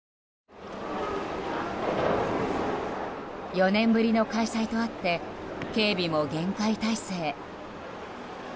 ４年ぶりの開催とあって警備も厳戒態勢。